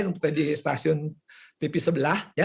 untuk di stasiun tv sebelah